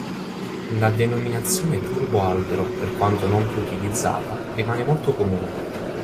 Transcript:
La denominazione turboalbero, per quanto non più utilizzata, rimane molto comune.